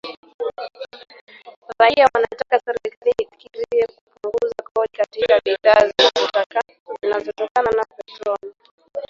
Raia wanataka serikali ifikirie kupunguza kodi katika bidhaa zinazotokana na petroli